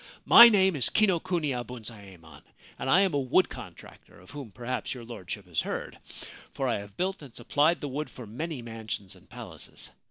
My name is Kinokuniya Bunzaemon, and I am a wood contractor of whom perhaps your Lordship has heard, for I have built and supplied the wood for many mansions and palaces.